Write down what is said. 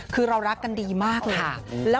คือเรารักกันดีมากเลย